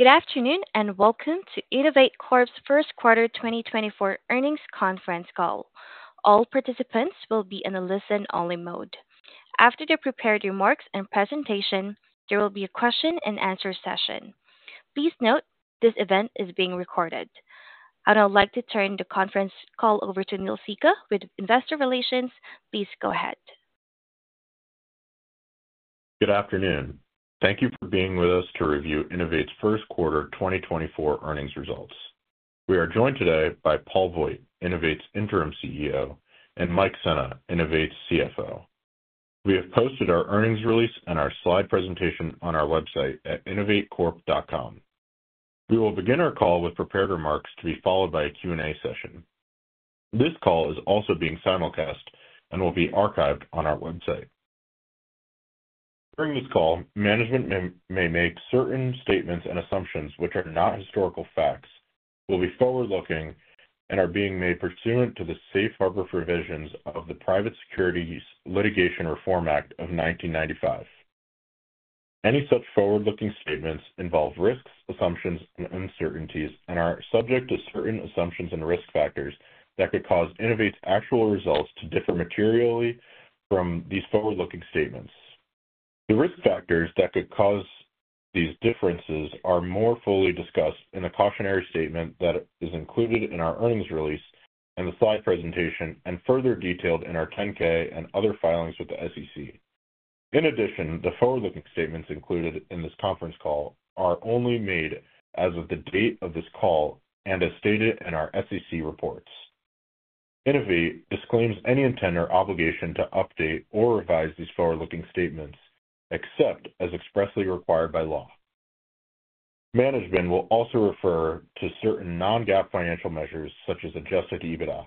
Good afternoon, and welcome to Innovate Corp's first quarter 2024 earnings conference call. All participants will be in a listen-only mode. After the prepared remarks and presentation, there will be a question-and-answer session. Please note, this event is being recorded. I'd now like to turn the conference call over to Neel Sikka with Investor Relations. Please go ahead. Good afternoon. Thank you for being with us to review Innovate's first quarter 2024 earnings results. We are joined today by Paul Voigt, Innovate's Interim CEO, and Mike Sena, Innovate's CFO. We have posted our earnings release and our slide presentation on our website at innovatecorp.com. We will begin our call with prepared remarks to be followed by a Q&A session. This call is also being simulcast and will be archived on our website. During this call, management may make certain statements and assumptions, which are not historical facts, will be forward-looking, and are being made pursuant to the safe harbor provisions of the Private Securities Litigation Reform Act of 1995. Any such forward-looking statements involve risks, assumptions, and uncertainties and are subject to certain assumptions and risk factors that could cause Innovate's actual results to differ materially from these forward-looking statements. The risk factors that could cause these differences are more fully discussed in the cautionary statement that is included in our earnings release and the slide presentation, and further detailed in our 10-K and other filings with the SEC. In addition, the forward-looking statements included in this conference call are only made as of the date of this call and as stated in our SEC reports. Innovate disclaims any intent or obligation to update or revise these forward-looking statements, except as expressly required by law. Management will also refer to certain non-GAAP financial measures, such as Adjusted EBITDA.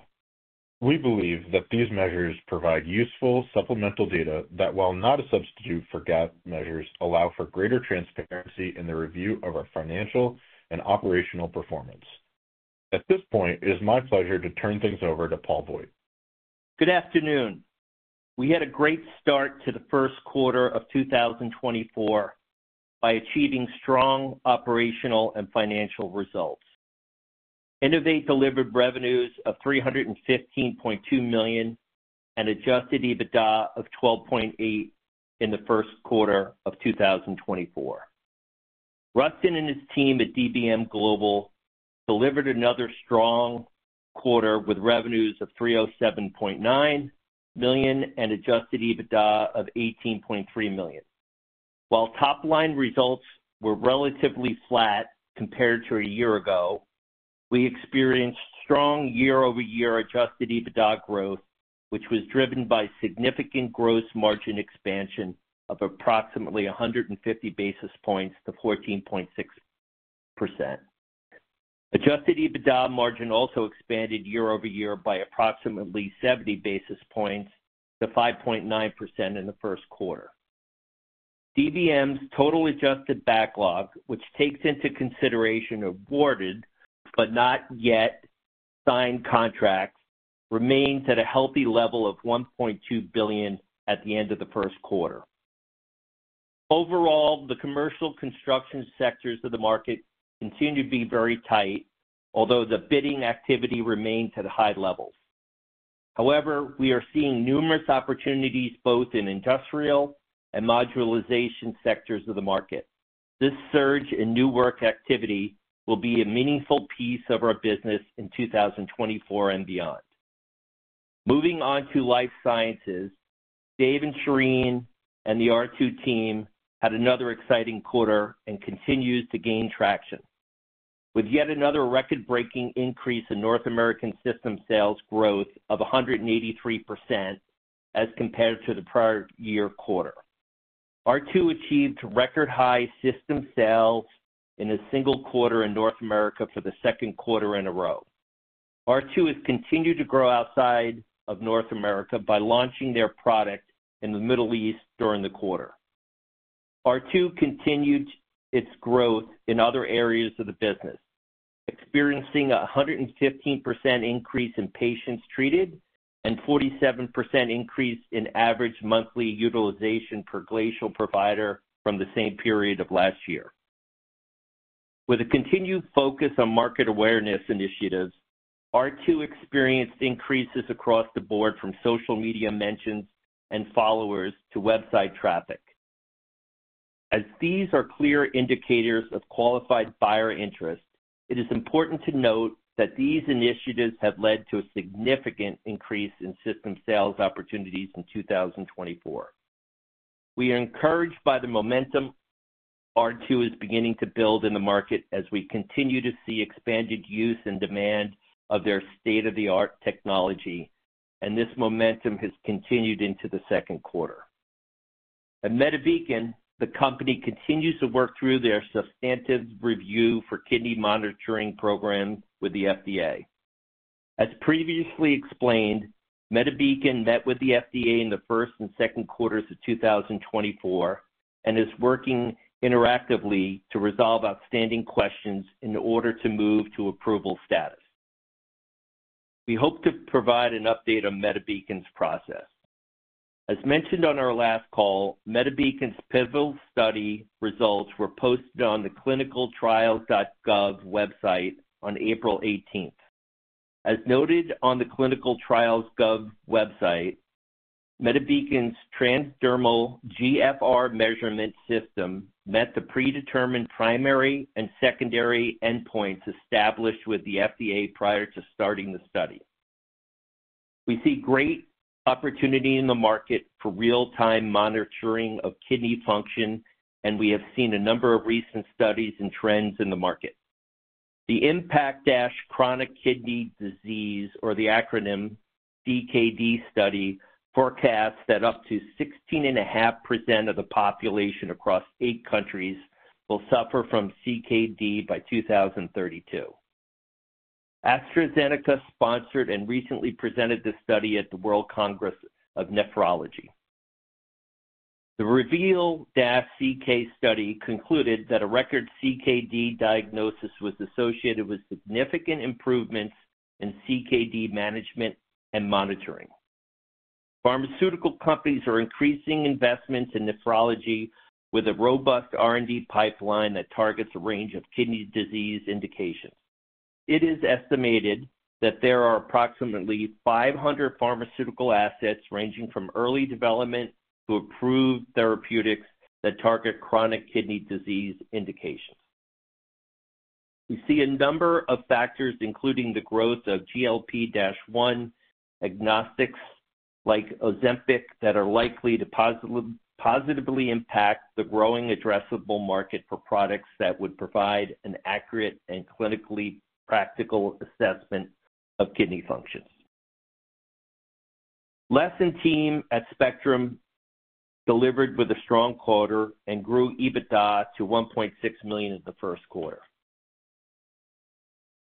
We believe that these measures provide useful supplemental data that, while not a substitute for GAAP measures, allow for greater transparency in the review of our financial and operational performance. At this point, it is my pleasure to turn things over to Paul Voigt. Good afternoon. We had a great start to the first quarter of 2024 by achieving strong operational and financial results. Innovate delivered revenues of $315.2 million and adjusted EBITDA of $12.8 million in the first quarter of 2024. Rustin and his team at DBM Global delivered another strong quarter, with revenues of $307.9 million and adjusted EBITDA of $18.3 million. While top-line results were relatively flat compared to a year ago, we experienced strong year-over-year adjusted EBITDA growth, which was driven by significant gross margin expansion of approximately 150 basis points to 14.6%. Adjusted EBITDA margin also expanded year over year by approximately 70 basis points to 5.9% in the first quarter. DBM's total adjusted backlog, which takes into consideration awarded but not yet signed contracts, remains at a healthy level of $1.2 billion at the end of the first quarter. Overall, the commercial construction sectors of the market continue to be very tight, although the bidding activity remains at high levels. However, we are seeing numerous opportunities, both in industrial and modularization sectors of the market. This surge in new work activity will be a meaningful piece of our business in 2024 and beyond. Moving on to life sciences. Dave and Shireen and the R2 team had another exciting quarter and continues to gain traction, with yet another record-breaking increase in North American system sales growth of 183% as compared to the prior year quarter. R2 achieved record-high system sales in a single quarter in North America for the second quarter in a row. R2 has continued to grow outside of North America by launching their product in the Middle East during the quarter. R2 continued its growth in other areas of the business, experiencing a 115% increase in patients treated and 47% increase in average monthly utilization per Glacial provider from the same period of last year. With a continued focus on market awareness initiatives, R2 experienced increases across the board, from social media mentions and followers to website traffic. As these are clear indicators of qualified buyer interest, it is important to note that these initiatives have led to a significant increase in system sales opportunities in 2024. We are encouraged by the momentum R2 is beginning to build in the market as we continue to see expanded use and demand of their state-of-the-art technology, and this momentum has continued into the second quarter. At MediBeacon, the company continues to work through their substantive review for kidney monitoring program with the FDA. As previously explained, MediBeacon met with the FDA in the first and second quarters of 2024 and is working interactively to resolve outstanding questions in order to move to approval status. We hope to provide an update on MediBeacon's process. As mentioned on our last call, MediBeacon's pivotal study results were posted on the ClinicalTrials.gov website on April 18th. As noted on the ClinicalTrials.gov website, MediBeacon's transdermal GFR measurement system met the predetermined primary and secondary endpoints established with the FDA prior to starting the study. We see great opportunity in the market for real-time monitoring of kidney function, and we have seen a number of recent studies and trends in the market. The IMPACT CKD study forecasts that up to 16.5% of the population across eight countries will suffer from CKD by 2032. AstraZeneca sponsored and recently presented this study at the World Congress of Nephrology. The REVEAL-CKD study concluded that a record CKD diagnosis was associated with significant improvements in CKD management and monitoring. Pharmaceutical companies are increasing investments in nephrology with a robust R&D pipeline that targets a range of kidney disease indications. It is estimated that there are approximately 500 pharmaceutical assets, ranging from early development to approved therapeutics, that target chronic kidney disease indications. We see a number of factors, including the growth of GLP-1 agonists like Ozempic, that are likely to positively, positively impact the growing addressable market for products that would provide an accurate and clinically practical assessment of kidney function. Les's team at Spectrum delivered with a strong quarter and grew EBITDA to $1.6 million in the first quarter.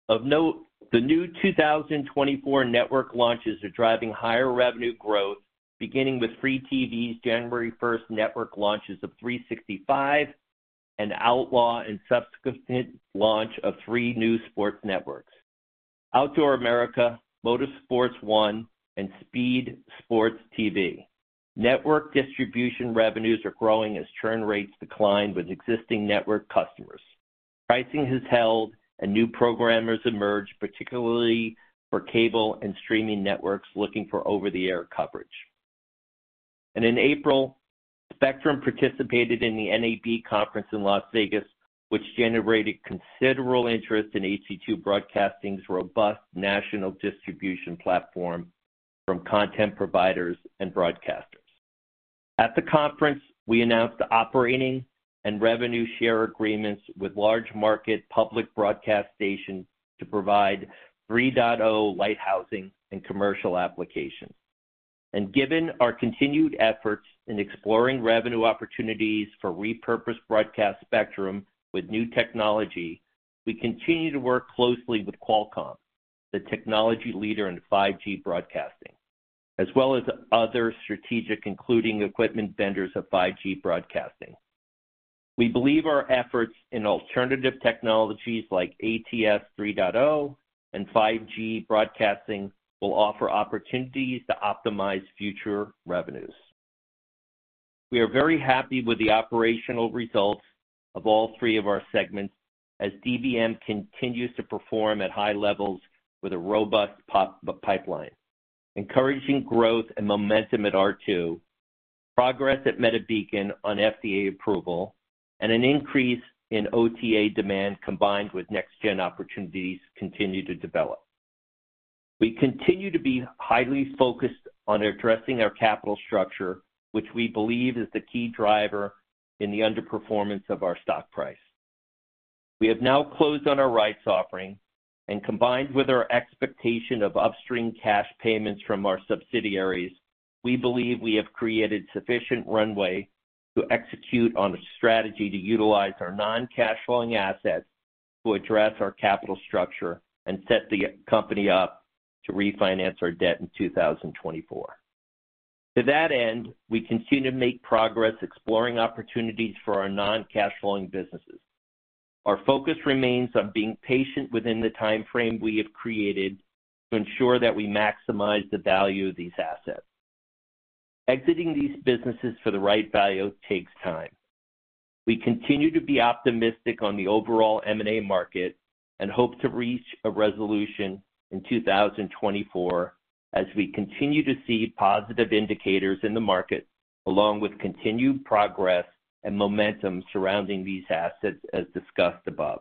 Of note, the new 2024 network launches are driving higher revenue growth, beginning with FreeTV's January 1st network launches of 365 and Outlaw, and subsequent launch of three new sports networks, Outdoor America, Motorsports One, and SPEED SPORTS TV. Network distribution revenues are growing as churn rates decline with existing network customers. Pricing has held, and new programmers emerge, particularly for cable and streaming networks looking for over-the-air coverage. In April, Spectrum participated in the NAB conference in Las Vegas, which generated considerable interest in HC2 Broadcasting's robust national distribution platform from content providers and broadcasters. At the conference, we announced operating and revenue share agreements with large market public broadcast stations to provide 3.0 lighthousing and commercial applications. Given our continued efforts in exploring revenue opportunities for repurposed broadcast spectrum with new technology, we continue to work closely with Qualcomm, the technology leader in 5G broadcasting, as well as other strategic, including equipment vendors of 5G broadcasting. We believe our efforts in alternative technologies like ATSC 3.0 and 5G broadcasting will offer opportunities to optimize future revenues. We are very happy with the operational results of all three of our segments as DBM continues to perform at high levels with a robust pipeline, encouraging growth and momentum at R2, progress at MediBeacon on FDA approval, and an increase in OTA demand, combined with next-gen opportunities, continue to develop. We continue to be highly focused on addressing our capital structure, which we believe is the key driver in the underperformance of our stock price. We have now closed on our rights offering, and combined with our expectation of upstream cash payments from our subsidiaries, we believe we have created sufficient runway to execute on a strategy to utilize our non-cash flowing assets to address our capital structure and set the company up to refinance our debt in 2024. To that end, we continue to make progress exploring opportunities for our non-cash flowing businesses. Our focus remains on being patient within the time frame we have created to ensure that we maximize the value of these assets. Exiting these businesses for the right value takes time. We continue to be optimistic on the overall M&A market and hope to reach a resolution in 2024 as we continue to see positive indicators in the market, along with continued progress and momentum surrounding these assets as discussed above.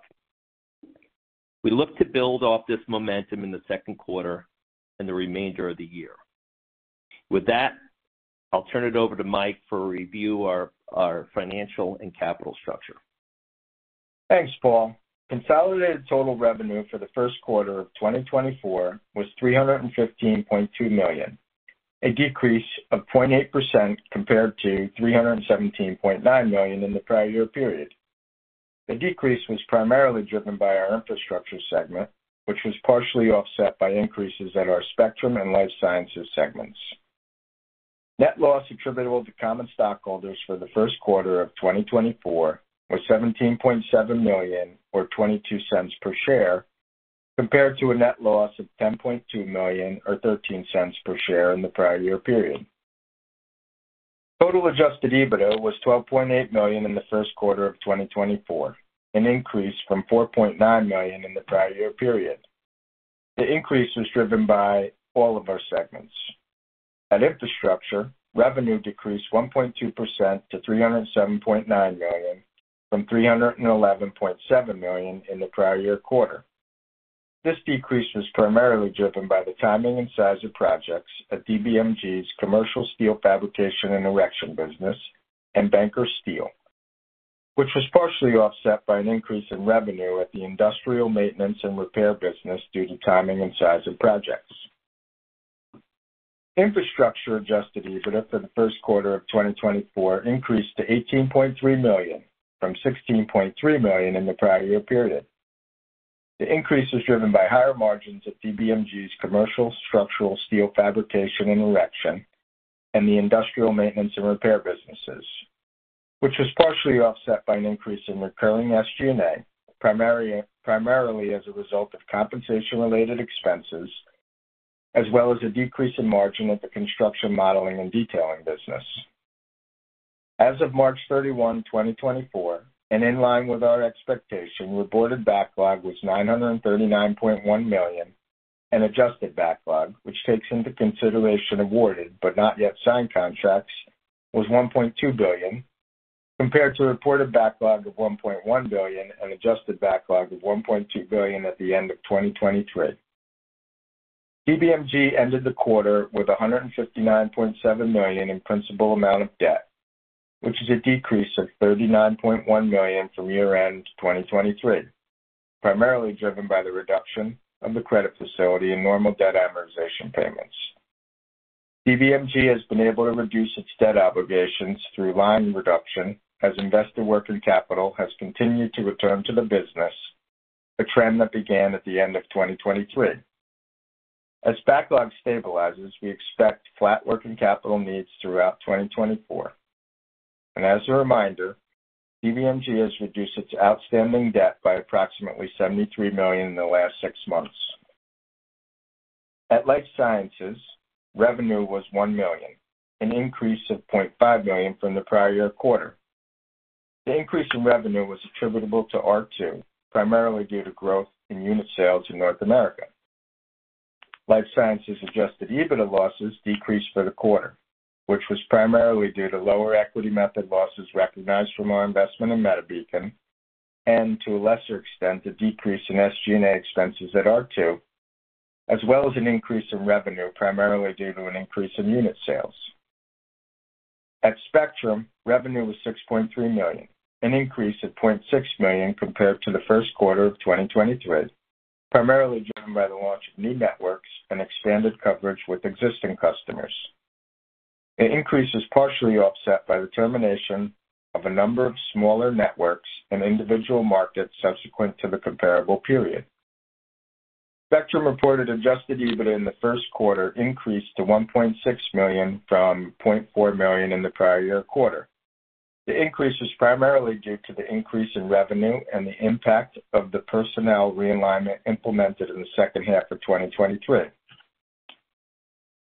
We look to build off this momentum in the second quarter and the remainder of the year. With that, I'll turn it over to Mike for a review of our financial and capital structure. Thanks, Paul. Consolidated total revenue for the first quarter of 2024 was $315.2 million, a decrease of 0.8% compared to $317.9 million in the prior year period. The decrease was primarily driven by our infrastructure segment, which was partially offset by increases at our spectrum and life sciences segments. Net loss attributable to common stockholders for the first quarter of 2024 was $17.7 million, or $0.22 per share, compared to a net loss of $10.2 million, or $0.13 per share in the prior year period. Total Adjusted EBITDA was $12.8 million in the first quarter of 2024, an increase from $4.9 million in the prior year period. The increase was driven by all of our segments. At Infrastructure, revenue decreased 1.2% to $307.9 million from $311.7 million in the prior year quarter. This decrease was primarily driven by the timing and size of projects at DBM Global's Commercial Steel Fabrication and Erection business and Banker Steel, which was partially offset by an increase in revenue at the industrial maintenance and repair business due to timing and size of projects. Infrastructure Adjusted EBITDA for the first quarter of 2024 increased to $18.3 million from $16.3 million in the prior year period. The increase was driven by higher margins at DBM's commercial structural steel fabrication and erection, and the industrial maintenance and repair businesses, which was partially offset by an increase in recurring SG&A, primarily as a result of compensation-related expenses, as well as a decrease in margin at the construction, modeling, and detailing business. As of March 31, 2024, and in line with our expectation, reported backlog was $939.1 million, and adjusted backlog, which takes into consideration awarded but not yet signed contracts, was $1.2 billion, compared to a reported backlog of $1.1 billion and adjusted backlog of $1.2 billion at the end of 2023. Global ended the quarter with $159.7 million in principal amount of debt, which is a decrease of $39.1 million from year-end 2023, primarily driven by the reduction of the credit facility in normal debt amortization payments. DBM Global has been able to reduce its debt obligations through line reduction as investor working capital has continued to return to the business, a trend that began at the end of 2023. As backlog stabilizes, we expect flat working capital needs throughout 2024. And as a reminder, DBM Global has reduced its outstanding debt by approximately $73 million in the last six months. At Life Sciences, revenue was $1 million, an increase of $0.5 million from the prior year quarter. The increase in revenue was attributable to R2, primarily due to growth in unit sales in North America. Life Sciences Adjusted EBITDA losses decreased for the quarter, which was primarily due to lower equity method losses recognized from our investment in MediBeacon, and to a lesser extent, a decrease in SG&A expenses at R2, as well as an increase in revenue, primarily due to an increase in unit sales. At Spectrum, revenue was $6.3 million, an increase of $0.6 million compared to the first quarter of 2023, primarily driven by the launch of new networks and expanded coverage with existing customers. The increase is partially offset by the termination of a number of smaller networks in individual markets subsequent to the comparable period. Spectrum reported Adjusted EBITDA in the first quarter increased to $1.6 million from $0.4 million in the prior year quarter. The increase was primarily due to the increase in revenue and the impact of the personnel realignment implemented in the second half of 2023.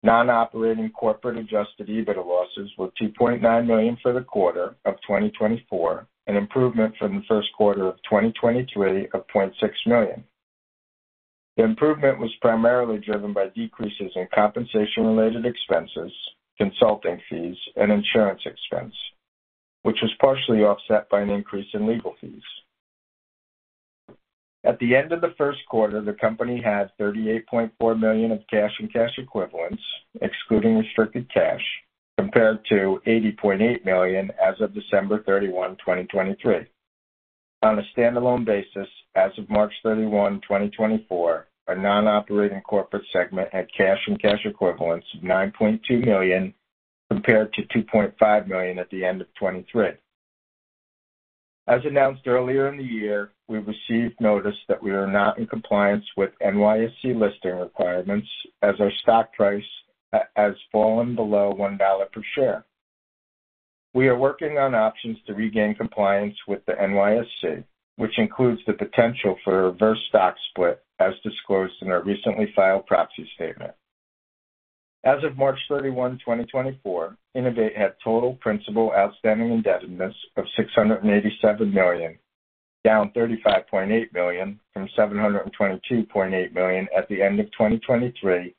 Non-operating corporate Adjusted EBITDA losses were $2.9 million for the quarter of 2024, an improvement from the first quarter of 2023 of $0.6 million. The improvement was primarily driven by decreases in compensation-related expenses, consulting fees, and insurance expense, which was partially offset by an increase in legal fees. At the end of the first quarter, the company had $38.4 million of cash and cash equivalents, excluding restricted cash, compared to $80.8 million as of December 31, 2023. On a standalone basis, as of March 31, 2024, our non-operating corporate segment had cash and cash equivalents of $9.2 million, compared to $2.5 million at the end of 2023. As announced earlier in the year, we received notice that we are not in compliance with NYSE listing requirements, as our stock price has fallen below $1 per share. We are working on options to regain compliance with the NYSE, which includes the potential for a reverse stock split, as disclosed in our recently filed proxy statement. As of March 31, 2024, Innovate had total principal outstanding indebtedness of $687 million, down $35.8 million from $722.8 million at the end of 2023,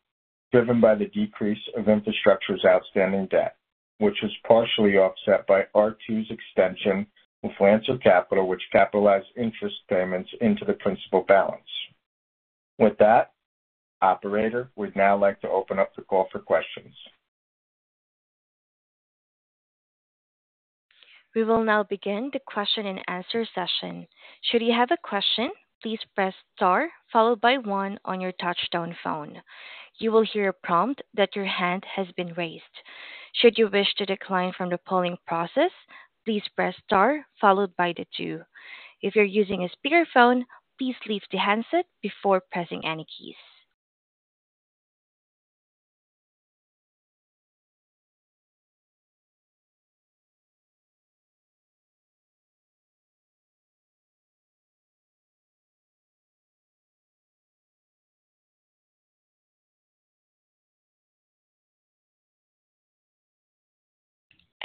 driven by the decrease of infrastructure's outstanding debt, which was partially offset by R2's extension of Lancer Capital, which capitalized interest payments into the principal balance. With that, operator, we'd now like to open up the call for questions. We will now begin the question-and-answer session. Should you have a question, please press star followed by one on your touch-tone phone. You will hear a prompt that your hand has been raised. Should you wish to decline from the polling process, please press star followed by the two. If you're using a speakerphone, please pick up the handset before pressing any keys.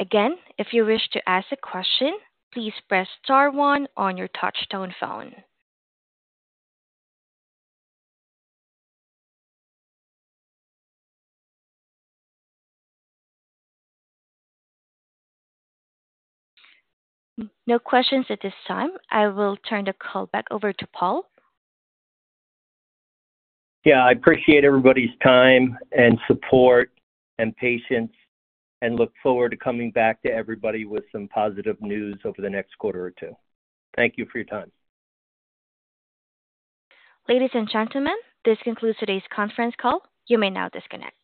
Again, if you wish to ask a question, please press star one on your touch-tone phone. No questions at this time. I will turn the call back over to Paul. Yeah, I appreciate everybody's time and support and patience, and look forward to coming back to everybody with some positive news over the next quarter or two. Thank you for your time. Ladies and gentlemen, this concludes today's conference call. You may now disconnect.